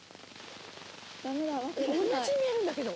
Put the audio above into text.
「同じに見えるんだけど」